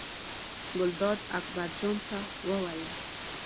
ګلداد اکبر جان ته وویل.